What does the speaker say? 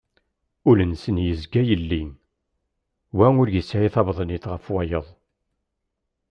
Ul-nsen yezga yelli, wa ur yesɛi tabaḍnit ɣef wayeḍ.